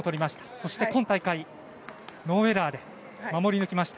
そして今大会、ノーエラーで守り抜きました。